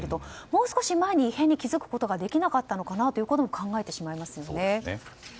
もう少し前に異変に気づくことができなかったのかなとも考えてしまいますよね。